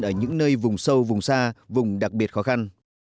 ở những nơi vùng sâu vùng xa vùng đặc biệt khó khăn